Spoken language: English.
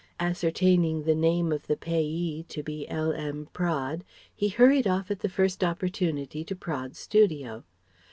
Ascertaining the name of the payee to be L.M. Praed, he hurried off at the first opportunity to Praed's studio.